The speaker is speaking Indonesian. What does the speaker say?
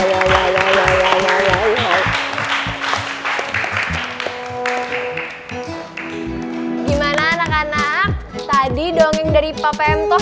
gimana anak anak tadi dongeng dari pak femtoh